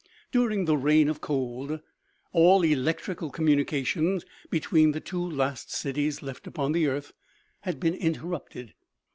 During the reign of cold, all electrical communication between the two last cities left upon the earth had been interrupted.